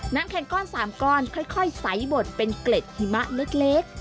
แคนก้อน๓ก้อนค่อยใสบดเป็นเกล็ดหิมะเล็ก